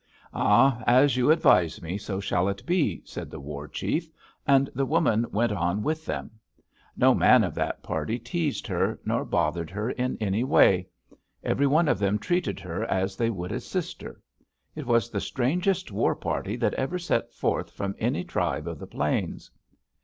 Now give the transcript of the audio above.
"'Ah! As you advise me, so shall it be,' said the war chief; and the woman went on with them. No man of that party teased her, nor bothered her in any way: every one of them treated her as they would a sister. It was the strangest war party that ever set forth from any tribe of the plains!